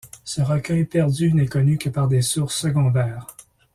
Ce recueil perdu n'est connu que par des sources secondaires.